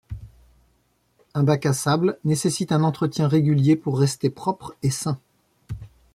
Un bac à sable nécessite un entretien régulier pour rester propre et sain.